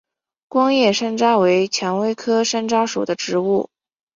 光叶山楂为蔷薇科山楂属的植物。